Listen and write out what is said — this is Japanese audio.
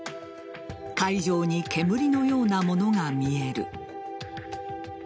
海上に煙のようなものが見える。